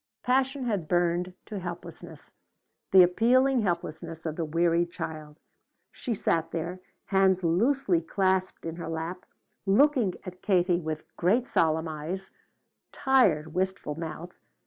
Passion had burned to helplessness, the appealing helplessness of the weary child. She sat there, hands loosely clasped in her lap, looking at Katie with great solemn eyes, tired wistful mouth.